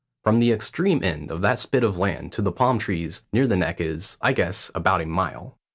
From the extreme end of that spit of land to the palm trees near the neck is, I guess, about a mile."